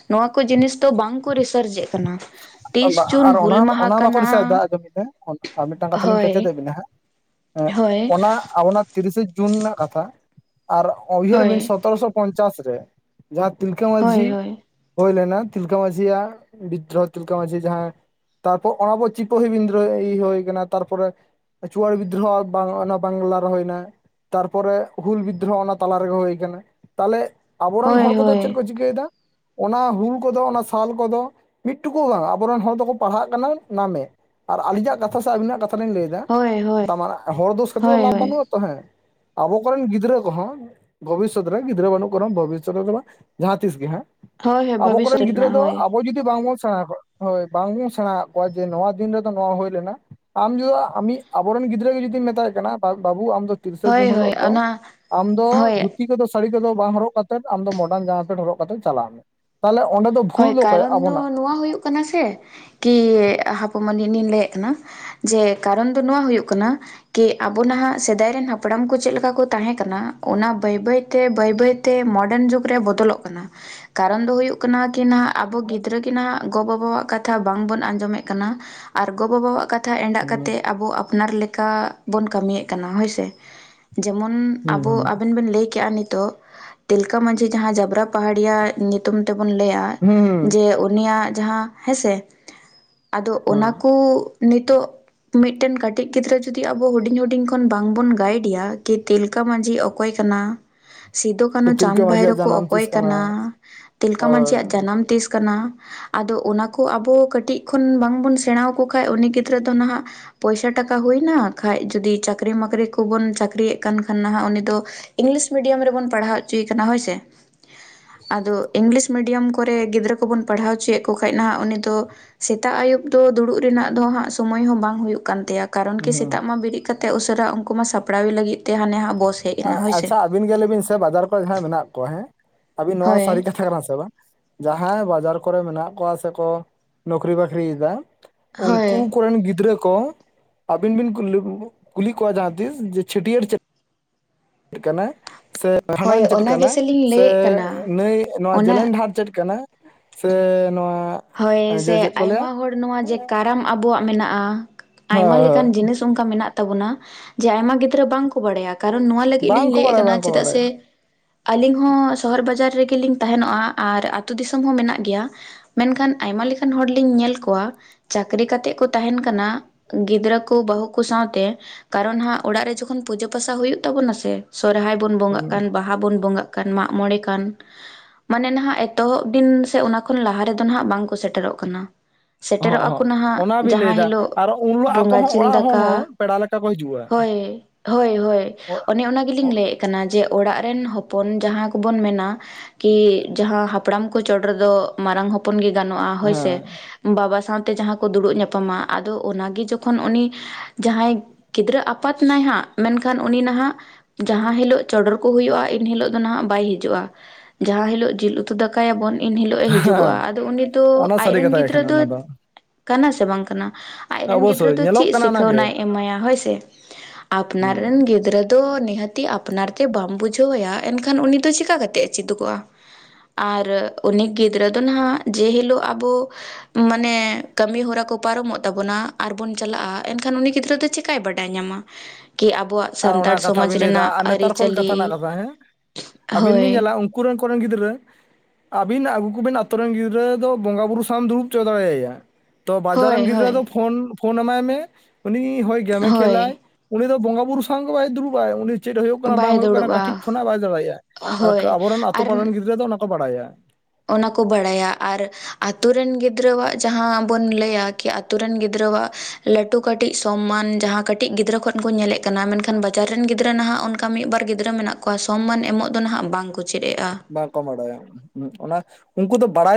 ᱱᱚᱣᱟ ᱠᱚ ᱡᱤᱱᱤᱥ ᱫᱚ ᱵᱟᱝ ᱠᱚ ᱨᱤᱥᱟᱨᱪ ᱮᱫ ᱠᱟᱱᱟ ᱛᱤᱥ ᱡᱩᱱ ᱟᱨ ᱦᱩᱞ ᱚᱱᱟ ᱢᱟᱦᱟ ᱚᱱᱟ ᱵᱟᱠᱚ ᱠᱟᱱᱟ᱾ ᱫᱤᱥᱟᱹᱭ ᱫᱟ ᱟᱸᱡᱚᱢ ᱵᱤᱱ ᱦᱚᱭ ᱦᱮᱸ ᱚᱱᱟ ᱟᱵᱚᱱᱟᱜ ᱛᱤᱨᱤᱥᱮ ᱡᱩᱱ ᱨᱮᱱᱟᱜ ᱠᱟᱛᱷᱟ ᱟᱨ ᱩᱭᱦᱟᱹᱨ ᱵᱤᱱ ᱥᱚᱛᱚᱨᱚᱥᱚ ᱯᱚᱧᱪᱟᱥ ᱨᱮ ᱡᱟᱦᱟᱸ ᱛᱤᱞᱠᱟᱹ ᱢᱟᱺᱡᱷᱤ ᱦᱩᱭ ᱞᱮᱱᱟ ᱛᱤᱞᱠᱟᱹ ᱢᱟᱺᱡᱷᱤᱭᱟᱜ ᱛᱤᱞᱠᱟᱹ ᱢᱟᱹᱡᱷᱤ ᱡᱟᱦᱟᱸᱭ ᱛᱟᱨᱯᱚᱨ ᱚᱱᱟ ᱯᱚᱨ ᱪᱤᱯᱚᱦᱤ ᱵᱤᱱᱫᱨᱳᱦᱤ ᱦᱩᱭ ᱟᱠᱟᱱᱟ ᱛᱟᱨᱯᱚᱨᱮ, ᱪᱩᱣᱟᱲ ᱵᱤᱫᱽᱫᱨᱳ ᱦᱚᱸ ᱵᱟᱝ ᱚᱱᱟ ᱵᱟᱝᱞᱟ ᱨᱮ ᱦᱩᱭ ᱮᱱᱟ ᱾ ᱛᱟᱨᱯᱚᱨᱮ ᱦᱩᱞ ᱵᱤᱫᱽᱫᱨᱳᱦᱚᱸ ᱚᱱᱟ ᱛᱟᱞᱟ ᱨᱮᱜᱮ ᱦᱩᱭ ᱟᱠᱟᱱᱟ ᱾ ᱛᱟᱦᱚᱞᱮ ᱟᱵᱚᱨᱮᱱ ᱦᱚᱲ ᱠᱚ ᱫᱚ ᱪᱮᱫ ᱠᱚ ᱪᱤᱠᱟᱹᱭᱮᱫᱟ ᱚᱱᱟ ᱦᱩᱞ ᱠᱚ ᱫᱚ ᱚᱱᱟ ᱥᱟᱞ ᱠᱚ ᱫᱚ, ᱢᱤᱫᱴᱩᱠᱩ ᱦᱚᱸ ᱵᱟᱝ ᱟᱵᱚᱨᱮᱱ ᱦᱚᱲ ᱫᱚ ᱠᱚ ᱯᱟᱲᱦᱟᱜ ᱠᱟᱱᱟ ᱱᱟᱢᱮ ᱟᱨ ᱟᱹᱞᱤᱧᱟᱜ ᱠᱟᱛᱷᱟ ᱥᱮ ᱟᱹᱵᱤᱱᱟᱜ ᱠᱟᱛᱷᱟ ᱞᱤᱧ ᱞᱟᱹᱭ ᱫᱟ ᱫᱟ ᱛᱟᱢᱟᱱᱮ ᱦᱚᱲ ᱫᱳᱥ ᱠᱟᱛᱮᱫ ᱫᱚ ᱞᱟᱵᱷ ᱵᱟᱹᱱᱩᱜ ᱟᱛᱚ ᱦᱮᱸ ᱟᱵᱚ ᱠᱚ ᱨᱮᱱ ᱜᱤᱫᱽᱨᱟᱹ ᱠᱚ ᱦᱚᱸ, ᱵᱷᱚᱵᱤᱥᱥᱚᱛ ᱨᱮ ᱜᱤᱫᱽᱨᱟᱹ ᱵᱟᱹᱱᱩᱜ ᱠᱚ ᱨᱮ ᱦᱚ ᱵᱷᱚᱵᱤᱥᱚᱛ ᱨᱮ ᱫᱚ ᱵᱟᱝ ᱡᱟᱦᱟᱸ ᱛᱤᱥ ᱜᱮ ᱦᱟᱸᱜ ᱟᱵᱚ ᱠᱚ ᱨᱮᱱ ᱜᱤᱫᱽᱨᱟᱹ ᱫᱚ ᱟᱵᱚ ᱡᱩᱫᱤ ᱵᱟᱝᱵᱚᱱ ᱥᱮᱲᱟ ᱟᱠᱚᱣᱟ ᱦᱚᱭ ᱵᱟᱝᱵᱚᱱ ᱥᱮᱬᱟ ᱟᱫ ᱠᱚᱣᱟ ᱡᱮ ᱱᱚᱣᱟ ᱫᱤᱱ ᱨᱮ ᱫᱚ ᱱᱚᱣᱟ ᱦᱩᱭ ᱞᱮᱱᱟ ᱾ ᱟᱢ ᱡᱩᱫᱤ ᱟᱹᱢᱤᱡ ᱟᱵᱚᱨᱮᱱ ᱜᱤᱫᱽᱨᱟᱹ ᱜᱮ ᱡᱩᱫᱤᱢ ᱢᱮᱛᱟᱭ ᱠᱟᱱᱟ ᱵᱟ ᱵᱟᱹᱵᱩ ᱟᱢ ᱫᱚ, ᱛᱤᱨᱤᱥᱟ ᱡᱩᱱ ᱦᱤᱞᱚᱜ ᱫᱚ ᱟᱢ ᱫᱚ ᱫᱷᱩ ᱛᱤ ᱠᱚ ᱫᱚ ᱥᱟᱹᱲᱤ ᱠᱚ ᱫᱚ ᱵᱟᱝ ᱦᱚᱨᱚᱜ ᱠᱟᱛᱮᱫ ᱟᱢ ᱫᱚ ᱢᱚᱰᱟᱨᱱ ᱡᱟᱢᱟ ᱯᱮᱱᱴ ᱦᱚᱨᱚᱜ ᱠᱟᱛᱮ ᱪᱟᱞᱟᱜ ᱢᱮ ᱾ ᱛᱟᱦᱚᱞᱮ ᱚᱸᱰᱮ ᱫᱚ ᱦᱳᱭ ᱵᱷᱩᱞ ᱫᱚ ᱚᱠᱚᱭᱟᱜ ᱠᱟᱨᱚᱱ ᱟᱵᱚᱱᱟᱜ ᱫᱚ ᱾ ᱱᱚᱣᱟ ᱦᱩᱭᱩᱜ ᱠᱟᱱᱟ ᱥᱮ ᱠᱤ ᱦᱟᱯᱩ ᱢᱟᱞᱤᱱᱤᱧ ᱞᱟᱹᱭᱮᱫ ᱠᱟᱱᱟ᱾ ᱡᱮ ᱠᱟᱨᱚᱱ ᱫᱚ ᱱᱚᱣᱟ ᱦᱩᱭᱩᱜ ᱠᱟᱱᱟ᱾ ᱠᱤ ᱟᱵᱚ ᱱᱟᱦᱟᱸᱜ ᱥᱮᱫᱟᱭ ᱨᱮᱱ ᱦᱟᱯᱲᱟᱢ ᱠᱚ ᱪᱮᱫ ᱞᱮᱠᱟ ᱠᱚ ᱛᱟᱦᱮᱸ ᱠᱟᱱᱟ ᱚᱱᱟ ᱵᱟᱹᱭ ᱵᱟᱹᱭ ᱛᱮ ᱵᱟᱹᱭ ᱵᱟᱹᱭ ᱛᱮ ᱢᱚᱰᱟᱱ ᱡᱩᱜᱽ ᱨᱮ ᱵᱚᱫᱚᱞᱚᱜ ᱠᱟᱱᱟ ᱠᱟᱨᱚᱱ ᱫᱚ ᱦᱩᱭᱩᱜ ᱠᱟᱱᱟ᱾ ᱠᱤ ᱱᱟᱜ ᱟᱵᱚ ᱜᱤᱫᱽᱨᱟᱹ ᱠᱤ ᱱᱟᱜ ᱜᱚᱼ ᱵᱟᱵᱟᱣᱟᱜ ᱠᱟᱛᱷᱟ ᱵᱟᱝᱵᱚᱱ ᱟᱸᱡᱚᱢᱮᱫ ᱠᱟᱱᱟ ᱟᱨ ᱜᱚᱼᱵᱟᱵᱟᱣᱟᱜ ᱠᱟ ᱛᱷᱟ ᱮᱸᱰᱟᱜ ᱦᱩᱸ ᱠᱟᱛᱮᱜ ᱟᱵᱚ ᱟᱯᱱᱟᱨ ᱞᱮᱠᱟ ᱵᱚᱱ ᱠᱟᱹᱢᱤᱭᱮᱫ ᱠᱟᱱᱟ ᱦᱳᱭᱥᱮ ᱡᱮᱢᱚᱱ ᱦᱩᱸ ᱟᱵᱚ ᱦᱩᱸ ᱟᱵᱮᱱ ᱵᱮᱱ ᱞᱟᱹᱭᱠᱮᱜᱼᱟ ᱱᱤᱛᱚᱜ ᱛᱤᱞᱠᱟᱹ ᱢᱟᱹᱡᱷᱤ ᱡᱟᱦᱟᱸ ᱡᱟᱵᱨᱟ ᱯᱟᱦᱟᱲᱤᱭᱟ ᱧᱩᱛᱩᱢ ᱛᱮ ᱵᱚ ᱵᱚᱱ ᱞᱟᱹᱭᱟ ᱡᱮ ᱦᱩᱸ ᱩᱱᱤᱭᱟᱜ ᱡᱟᱦᱟᱸ ᱦᱮᱸᱥᱮ ᱟᱫᱚ ᱚᱱᱟ ᱠᱩ ᱱᱤᱛᱳᱜ ᱢᱤᱫᱴᱮᱱ ᱠᱟᱹᱴᱤᱡ ᱜᱤᱫᱽᱨᱟᱹ ᱡᱩᱫᱤ ᱟᱵᱚ ᱦᱩᱰᱤᱧ ᱦᱩᱰᱤᱧ ᱠᱷᱚᱱ ᱵᱟᱝ ᱵᱚᱱ ᱜᱟᱭᱤᱰᱮᱭᱟ ᱠᱤ ᱛᱤᱞᱠᱟᱹ ᱢᱟᱹᱡᱷᱤ ᱚᱠᱚᱭ ᱠᱟᱱᱟ᱾ [inaudible] ᱥᱤᱫᱩ ᱠᱟᱹᱱᱩ ᱦᱩᱸ ᱛᱤᱞᱠᱟᱹ ᱪᱟᱸᱫᱽ ᱢᱟᱹᱡᱷᱤᱭᱟᱜ ᱵᱷᱟᱭᱨᱳ ᱠᱚ ᱡᱟᱱᱟᱢ ᱚᱠᱚᱭ ᱛᱤᱥ ᱠᱟᱱᱟ, ᱛᱤᱞᱠᱟᱹ ᱦᱳᱭ ᱢᱟᱡᱷᱤᱭᱟᱜ ᱡᱟᱱᱟᱢ ᱛᱤᱥ ᱠᱟᱱᱟ? ᱟᱫᱚ ᱚᱱᱟ ᱠᱚ ᱟᱵᱚ ᱠᱟᱹᱴᱤᱡ ᱠᱷᱚᱱ ᱵᱟᱝᱵᱚᱱ ᱥᱮᱬᱟᱣ ᱠᱚ ᱠᱷᱟᱡ ᱩᱱᱤ ᱜᱤᱫᱽᱨᱟᱹ ᱫᱚ ᱱᱟᱦᱟᱸᱜ ᱯᱚᱭᱥᱟ ᱴᱟᱠᱟ ᱦᱩᱭᱱᱟ ᱠᱷᱟᱡ ᱡᱩᱫᱤ ᱪᱟᱠᱨᱤ ᱢᱟᱠᱨᱤ ᱠᱚ ᱵᱚᱱ ᱪᱟᱠᱨᱤᱭᱮᱫ ᱠᱟᱱ ᱠᱷᱟᱱ ᱱᱟᱦᱟᱸᱜ ᱩᱱᱤ ᱫᱚ ᱤᱝᱞᱤᱥ ᱢᱤᱰᱤᱭᱟᱢ ᱨᱮ ᱵᱚᱱ ᱯᱟᱲᱦᱟᱣ ᱦᱚᱪᱚᱭᱮ ᱠᱟᱱᱟ ᱦᱳᱭᱥᱮ ᱟᱫᱚ ᱤᱝᱞᱤᱥ ᱢᱤᱰᱤᱭᱟᱢ ᱠᱚ ᱨᱮ ᱜᱤᱫᱽᱨᱟᱹ ᱠᱚᱵᱚᱱ ᱯᱟᱲᱦᱟᱣ ᱦᱚᱪᱚᱭᱮᱫ ᱠᱚ ᱠᱷᱟᱡ ᱱᱟᱦᱟᱸᱜ ᱩᱱᱤ ᱫᱚ ᱥᱮᱛᱟᱜ ᱟᱹᱭᱩᱵ ᱫᱚ ᱫᱩᱲᱩᱵ ᱨᱮᱱᱟᱜ ᱫᱚ ᱦᱟᱸᱜ ᱥᱚᱢᱚᱭ ᱦᱚᱸ ᱵᱟᱝ ᱦᱩᱭᱩᱜ ᱠᱟᱱ ᱛᱟᱭᱟ᱾ ᱠᱟᱨᱚᱱ ᱠᱤ ᱦᱩᱸ ᱥᱮᱛᱟᱜ ᱢᱟ ᱵᱤᱨᱮᱫ ᱠᱟᱛᱮ ᱩᱥᱟᱹᱨᱟ ᱩᱱᱠᱩ ᱢᱟ ᱥᱟᱯᱲᱟᱣ ᱞᱟᱹᱜᱤᱫ ᱛᱮ ᱦᱟᱱᱮ ᱦᱟᱸᱯ ᱟᱪᱪᱷᱟ ᱟᱹᱵᱤᱱ ᱜᱮ ᱞᱟᱹᱭ ᱵᱤᱱ ᱥᱮ ᱵᱟᱡᱟᱨ ᱠᱚ ᱨᱮ ᱡᱟᱦᱟᱸᱭ ᱢᱮᱱᱟᱜ ᱠᱚᱣᱟ ᱦᱮᱸ ᱟᱹᱵᱤᱱ ᱱᱚᱣᱟ ᱥᱟᱹᱨᱤ ᱦᱳᱭ ᱠᱟᱛᱷᱟ ᱠᱟᱱᱟ ᱥᱮ ᱵᱟᱝ? ᱡᱟᱦᱟᱸᱭ ᱵᱟᱡᱟᱨ ᱠᱚᱨᱮ ᱢᱮᱱᱟᱜ ᱠᱚᱣᱟ ᱥᱮᱠᱚ ᱱᱚᱠᱨᱤ ᱵᱟᱹᱠᱨᱤᱭᱮᱫᱟ᱾ ᱦᱳᱭ ᱩᱱᱠᱩ ᱠᱚᱨᱮᱱ ᱜᱤᱫᱽᱨᱟᱹ ᱠᱚ ᱟᱹᱵᱤᱱ ᱵᱤᱱ [unintelligible] ᱠᱩᱞᱤ ᱠᱚᱣᱟ ᱡᱟᱦᱟᱸ ᱛᱤᱥ ᱡᱮ ᱪᱷᱟᱹᱴᱭᱟᱹᱨ ᱪᱮᱫ [unintelligible] ᱠᱟᱱᱟ᱾ ᱥᱮ ᱦᱳᱭ ᱵᱷᱟᱸᱰᱟᱱ ᱪᱮᱫ ᱚᱱᱟ ᱠᱟᱱᱟ ᱜᱮᱥᱮᱞᱤᱧ ᱥᱮ ᱞᱟᱹᱭᱮᱫ ᱠᱟᱱᱟ ᱱᱟᱹᱭ ᱱᱚᱣᱟ ᱚᱱᱟ ᱡᱮᱞᱮᱧ ᱰᱟᱦᱟᱨ ᱪᱮᱫ ᱠᱟᱱᱟ? ᱥᱮ ᱱᱚᱣᱟ ᱦᱳᱭ ᱡᱮ ᱥᱮ ᱪᱮᱫ ᱠᱚ ᱞᱟᱹᱭᱟ ᱟᱭᱢᱟ ᱦᱚᱲ ᱱᱚᱣᱟ ᱡᱮ ᱠᱟᱨᱟᱢ ᱟᱵᱚᱣᱟᱜ ᱢᱮᱱᱟᱜᱼᱟ ᱦᱳᱭ ᱟᱭᱢᱟ ᱦᱳᱭ ᱞᱮᱠᱟᱱ ᱡᱤᱱᱤᱥ ᱚᱝᱠᱟ ᱢᱮᱱᱟᱜ ᱛᱟᱵᱚᱱᱟ ᱡᱮ ᱟᱭᱢᱟ ᱜᱤᱫᱽᱨᱟᱹ ᱵᱟᱝᱠᱚ ᱵᱟᱲᱟᱭᱟ᱾ ᱠᱟᱨᱚᱱ ᱱᱚᱣᱟ ᱞᱟᱹᱜᱤᱫ ᱞᱤᱧ ᱵᱟᱝᱠᱚ ᱞᱟᱹᱭᱮᱫ ᱵᱟᱲᱟᱭᱟ ᱠᱟᱱᱟ ᱵᱟᱝᱠᱚ ᱪᱮᱫᱟᱜ ᱵᱟᱲᱟᱭᱟ ᱥᱮ ᱟᱹᱞᱤᱧ ᱦᱚᱸ ᱥᱚᱦᱚᱨ ᱵᱟᱡᱟᱨ ᱨᱮᱜᱮᱞᱤᱧ ᱛᱟᱦᱮᱱᱚᱜᱼᱟ ᱟᱨ ᱟᱹᱛᱩ ᱫᱤᱥᱚᱢ ᱦᱚᱸ ᱢᱮᱱᱟᱜ ᱜᱮᱭᱟ᱾ ᱢᱮᱱᱠᱷᱟᱱ ᱟᱭᱢᱟ ᱞᱮᱠᱟᱱ ᱦᱚᱲᱞᱤᱧ ᱧᱮᱞ ᱠᱚᱣᱟ᱾ ᱪᱟᱹᱠᱨᱤ ᱠᱟᱛᱮᱜ ᱠᱚ ᱛᱟᱦᱮᱱ ᱠᱟᱱᱟ ᱜᱤᱫᱽᱨᱟᱹ ᱠᱚ ᱵᱟᱹᱦᱩ ᱠᱚ ᱥᱟᱶᱛᱮ ᱠᱟᱨᱚᱱ ᱦᱟᱸᱜ ᱚᱲᱟᱜ ᱨᱮ ᱡᱚᱠᱷᱚᱱ ᱯᱩᱡᱟᱹ ᱯᱟᱥᱟ ᱦᱩᱭᱩᱜ ᱛᱟᱵᱚᱱᱟ ᱥᱮ ᱥᱚᱨᱦᱟᱭ ᱵᱚᱱ ᱵᱚᱸᱜᱟᱜ ᱦᱩᱸ ᱠᱟᱱ ᱵᱟᱦᱟ ᱵᱚᱱ ᱵᱚᱸᱜᱟᱜ ᱠᱟᱱ ᱢᱟᱜ ᱢᱚᱬᱮ ᱠᱟᱱ ᱢᱟᱱᱮ ᱱᱟᱦᱟᱸᱜ ᱮᱛᱚᱦᱚᱵ ᱫᱤᱱ ᱥᱮ ᱚᱱᱟ ᱠᱷᱚᱱ ᱞᱟᱦᱟ ᱨᱮ ᱚ ᱱᱟᱦᱟᱸᱜ ᱵᱟᱝᱠᱚ ᱥᱮᱴᱮᱨᱚᱜ ᱠᱟᱱᱟ᱾ ᱚᱦᱚᱸ ᱥᱮᱴᱮᱨᱚᱜ ᱟᱠᱚ ᱚᱦᱚᱸ ᱱᱟᱦᱟᱸᱜ ᱚᱱᱟ ᱵᱤᱱ ᱡᱟᱦᱟᱸ ᱞᱟᱹᱭᱫᱟ ᱦᱤᱞᱳᱜ ᱟᱨᱚ ᱩᱱ ᱦᱤᱞᱳᱜ ᱟᱠᱚ ᱵᱚᱸᱜᱟ ᱦᱚᱸ ᱡᱤᱞ ᱚᱲᱟᱜ ᱦᱚᱲ ᱦᱚᱸ ᱫᱟᱠᱟ ᱯᱮᱲᱟ ᱞᱮᱠᱟ ᱠᱚ ᱦᱤᱡᱩᱜᱼᱟ ᱦᱳᱭ ᱦᱳᱭ ᱦᱳᱭ ᱚ- ᱚᱱᱮ ᱚᱱᱟ ᱜᱮᱞᱤᱧ ᱚ- ᱞᱟᱹᱭᱮᱫ ᱠᱟᱱᱟ ᱡᱮ ᱚᱲᱟᱜ ᱨᱮᱱ ᱦᱚᱯᱚᱱ ᱡᱟᱦᱟᱸ ᱠᱚᱵᱚᱱ ᱢᱮᱱᱟ᱾ ᱠᱤ ᱡᱟᱦᱟᱸ ᱦᱟᱯᱲᱟᱢ ᱠᱚ ᱪᱚᱰᱚᱨ ᱫᱚ ᱢᱟᱨᱟᱝ ᱦᱚᱯᱚᱱ ᱜᱮ ᱜᱟᱱᱚᱜᱼᱟ ᱦᱳᱭᱥᱮ ᱦᱮᱸ ᱵᱟᱵᱟ ᱥᱟᱶᱛᱮ ᱡᱟᱦᱟᱸ ᱠᱚ ᱫᱩᱲᱩᱵ ᱧᱟᱯᱟᱢᱟ ᱟᱫᱚ ᱚᱱᱟᱜᱮ ᱡᱚᱠᱷᱚᱱ ᱩᱱᱤ ᱡᱟᱦᱟᱸᱭ ᱜᱤᱫᱽᱨᱟᱹ ᱟᱯᱟᱛ ᱱᱟᱭ ᱦᱟᱸᱜ ᱢᱮᱱᱠᱷᱟᱱ ᱩᱱᱤ ᱱᱟᱦᱟᱸᱜ ᱡᱟᱦᱟᱸ ᱦᱤᱞᱳᱜ ᱪᱚᱰᱚᱨ ᱠᱚ ᱦᱩᱭᱩᱜᱼᱟ ᱤᱱ ᱦᱤᱞᱳᱜ ᱫᱚ ᱱᱟᱦᱟᱸᱜ ᱵᱟᱭ ᱦᱤᱡᱩᱜᱼᱟ ᱡᱟᱦᱟᱸ ᱦᱤᱞᱳᱜ ᱡᱤᱞ ᱩᱛᱩ ᱩᱛᱩ ᱫᱟᱠᱟᱭᱟᱵᱚᱱ ᱮᱱᱦᱤᱞᱳᱜ ᱮ ᱦᱤᱡᱩᱜᱚᱜᱼᱟ ᱦᱮᱸ ᱟᱫᱚ ᱩᱱᱤ ᱫᱚ ᱚᱱᱟ ᱟᱡ ᱥᱟᱹᱨᱤ ᱨᱮᱱ ᱠᱟᱛᱷᱟ ᱜᱮ ᱜᱤᱫᱽᱨᱟᱹ ᱠᱟᱱᱟ ᱫᱚ ᱚᱱᱟ ᱠᱟᱱᱟ ᱥᱮ ᱵᱟᱝ ᱠᱟᱱᱟ ᱟᱡᱨᱮᱱ ᱜᱤᱫᱽᱨᱟᱹ ᱚᱵᱚᱥᱥᱳᱭ ᱫᱚ ᱧᱮᱞᱚᱜ ᱪᱮᱫ ᱠᱟᱱᱟ ᱥᱤᱠᱷᱟᱹᱣᱱᱟᱭ ᱚᱱᱟᱜᱮ ᱮᱢᱟᱭᱟ ᱦᱳᱭᱥᱮ᱾ ᱟᱯᱱᱟᱨ ᱦᱩᱸ ᱨᱮᱱ ᱜᱤᱫᱽᱨᱟᱹ ᱫᱚ ᱱᱤᱦᱟᱹᱛᱤ ᱟᱯᱱᱟᱨ ᱛᱮ ᱵᱟᱢ ᱵᱩᱡᱷᱟᱹᱣ ᱮᱭᱟ ᱮᱱᱠᱷᱟᱱ ᱩᱱᱤ ᱫᱚ ᱪᱤᱠᱟ ᱠᱟᱛᱮᱫ ᱮ ᱪᱮᱫᱚᱜᱚᱜᱼᱟ᱾ ᱟᱨ ᱩᱱᱤ ᱜᱤᱫᱽᱨᱟᱹ ᱫᱚ ᱱᱟᱸᱜ ᱡᱮᱦᱤᱞᱳᱜ ᱟᱵᱚ ᱢᱟᱱᱮ ᱠᱟᱹᱢᱤᱦᱚᱨᱟ ᱠᱚ ᱯᱟᱨᱚᱢᱚᱜ ᱛᱟᱵᱳᱱᱟ ᱟᱨᱵᱚᱱ ᱪᱟᱞᱟᱜᱼᱟ ᱮᱱᱠᱷᱟᱱ ᱩᱱᱤ ᱜᱤᱫᱽᱨᱟᱹ ᱫᱚ ᱪᱮᱫ ᱠᱟᱭ ᱵᱟᱰᱟᱭ ᱧᱟᱢᱟ ᱠᱤ ᱟᱵᱚᱣᱟᱜ ᱟᱨ ᱚᱱᱟ ᱥᱟᱱᱛᱟᱲ ᱠᱟᱛᱷᱟ ᱥᱚᱢᱟᱡᱽ ᱵᱤᱱ ᱞᱟᱹᱭᱫᱟ ᱨᱮᱱᱟᱜ ᱟᱨ ᱱᱮᱛᱟᱨ ᱠᱷᱚᱱ ᱟᱹᱨᱤᱪᱟᱹᱞᱤ ᱠᱟᱛᱷᱟ ᱨᱮᱱᱟᱜ ᱠᱟᱛᱷᱟ ᱦᱮᱸ ᱟᱵᱤᱱ ᱦᱳᱭ ᱵᱤᱱ ᱧᱮᱞᱟ ᱩᱝ ᱠᱩ ᱠᱚᱨᱮᱱ ᱜᱤᱫᱽᱨᱟᱹ ᱟᱹᱵᱤᱱ ᱟᱹᱜᱩ ᱠᱚᱵᱤᱱ ᱟᱛᱳ ᱨᱮᱱ ᱜᱤᱫᱽᱨᱟᱹ ᱫᱚ ᱵᱚᱸᱜᱟ ᱵᱩᱨᱩ ᱥᱟᱢ ᱫᱩᱲᱩᱵ ᱦᱚᱪᱚ ᱫᱟᱲᱮᱭᱟᱭᱟ, ᱛᱚ ᱵᱟᱡᱟᱨ ᱦᱳᱭ ᱨᱮᱱ ᱦᱳᱭ ᱜᱤᱫᱽᱨᱟᱹ ᱫᱚ ᱯᱷᱳᱱ ᱯᱷᱳᱱ ᱮᱢᱟᱭ ᱢᱮ ᱩᱱᱤ ᱦᱳᱭ ᱜᱮᱢᱮ ᱦᱳᱭ ᱠᱷᱮᱞᱟᱭ ᱩᱱᱤ ᱫᱚ ᱵᱚᱸᱜᱟ ᱵᱩᱨᱩ ᱥᱟᱝ ᱜᱮ ᱵᱟᱭ ᱫᱩᱲᱩᱵᱟᱭ ᱩᱱᱤ ᱪᱮᱫ ᱦᱩᱭᱩᱜ ᱠᱟᱱᱟ ᱵᱟᱭ ᱵᱟᱝ ᱦᱩᱭᱩᱜ ᱠᱟᱱᱟ ᱫᱩᱲᱩᱵᱼᱟ ᱠᱟᱹᱴᱤᱡ ᱠᱷᱚᱱᱟᱜ ᱵᱟᱭ ᱫᱟᱲᱮᱭᱟᱜᱼᱟ, ᱟᱨ ᱦᱳᱭ ᱟᱵᱚᱨᱮᱱ ᱟᱛᱳ ᱟᱨ ᱯᱟᱲᱟ ᱨᱮᱱ ᱜᱤᱫᱽᱨᱟᱹ ᱫᱚ ᱚᱱᱟ ᱠᱚ ᱵᱟᱲᱟᱭᱟ᱾ ᱚᱱᱟ ᱠᱚ ᱵᱟᱲᱟᱭᱟ ᱟᱨ ᱟᱛᱳ ᱨᱮᱱ ᱜᱤᱫᱽᱨᱟᱹᱣᱟᱜ ᱡᱟᱦᱟᱸ ᱵᱚᱱ ᱞᱟᱹᱭᱟ ᱠᱤ ᱟᱹᱛᱩ ᱨᱮᱱ ᱜᱤᱫᱽᱨᱟᱹᱣᱟᱜ ᱞᱟᱹᱴᱩ ᱠᱟᱹᱴᱤᱡ ᱥᱚᱢᱢᱟᱱ ᱡᱟᱦᱟᱸ ᱠᱟᱹᱴᱤᱡ ᱜᱤᱫᱽᱨᱟᱹ ᱠᱷᱚᱱ ᱠᱚ ᱧᱮᱞᱮᱜ ᱠᱟᱱᱟ ᱢᱮᱱᱠᱷᱟᱱ ᱵᱟᱡᱟᱨ ᱨᱮᱱ ᱜᱤᱫᱽᱨᱟᱹ ᱱᱟᱦᱟᱸᱜ ᱚᱱ ᱠᱟ ᱢᱤᱫ ᱵᱟᱨ ᱜᱤᱫᱽᱨᱟᱹ ᱢᱮᱱᱟᱜ ᱠᱚᱣᱟ ᱥᱚᱢᱢᱟᱱ ᱮᱢᱚᱜ ᱫᱚ ᱱᱟᱦᱟᱜ ᱵᱟᱝ ᱠᱚ ᱪᱮᱫ ᱮᱜᱼᱟ᱾ ᱵᱟᱝᱠᱚ ᱵᱟᱲᱟᱭᱟ ᱚᱱᱟ ᱩᱱᱠᱩ ᱫᱚ ᱵᱟᱲᱟᱭ